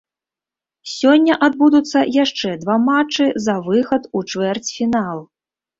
Сёння адбудуцца яшчэ два матчы за выхад у чвэрцьфінал.